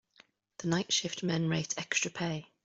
The night shift men rate extra pay.